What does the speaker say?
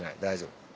大丈夫。